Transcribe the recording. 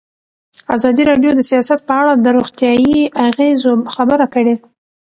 ازادي راډیو د سیاست په اړه د روغتیایي اغېزو خبره کړې.